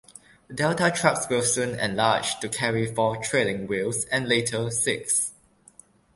Delta trucks were soon enlarged to carry four trailing wheels, and later six.